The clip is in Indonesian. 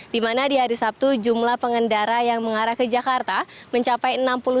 dimana di hari sabtu jumlah pengendara yang mengarah ke jakarta mencapai enam puluh satu